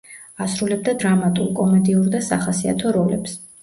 ასრულებდა დრამატულ, კომედიურ და სახასიათო როლებს.